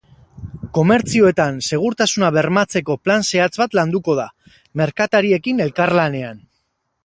Komertzioetan segurtasuna bermatzeko plan zehatz bat landuko da, merkatariekin elkarlanean.